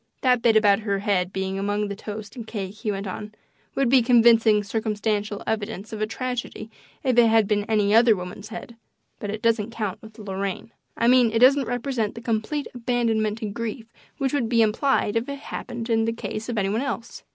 "That bit about her head being among the toast and cake," he went on, "would be convincing circumstantial evidence of a tragedy if it had been any other woman's head, but it doesn't count with Lorraine I mean it doesn't represent the complete abandonment to grief which would be implied if it happened in the case of any one else.